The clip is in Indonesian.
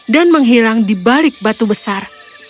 dan menghilang di balik batu besar